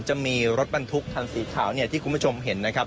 จะมีรถบรรทุกคันสีขาวเนี่ยที่คุณผู้ชมเห็นนะครับ